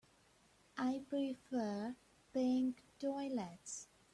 I prefer pink toilets.